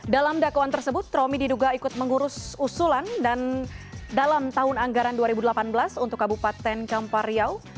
dalam dakwaan tersebut romi diduga ikut mengurus usulan dan dalam tahun anggaran dua ribu delapan belas untuk kabupaten kampar riau